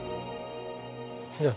じゃあ。